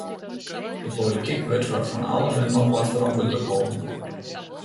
De polityk wurdt foar fan alles en noch wat ferantwurdlik holden.